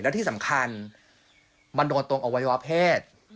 แล้วที่สำคัญมันโดนตรงอวัยวะเพศ